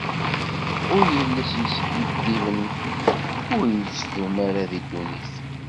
Bu yiles yeskiddiben ur ittdum ara di ddunit.